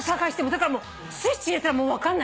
だからスイッチ入れたらもう分かんないわけ。